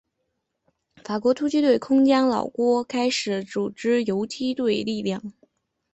法国突击队空降老挝开始组织游击队力量。